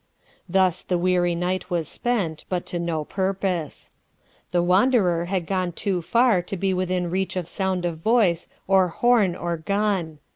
Thus the weary night was spent, but to no purpose. The wanderer had gone too far to be within reach of sound of voice, or horn, or gun.